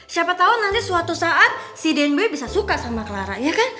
siapa tau nanti suatu saat si dnb bisa suka sama clara ya kan